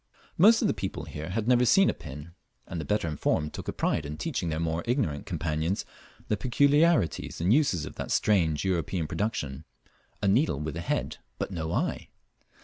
Most of the people here had never seen a pin, and the better informed took a pride in teaching their more ignorant companions the peculiarities and uses of that strange European production a needle with a head, but no eye!